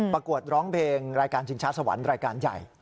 ประกวดร้องเพลงรายการชิงช้าสวรรค์รายการใหญ่